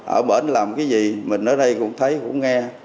ở bên làm cái gì mình ở đây cũng thấy cũng nghe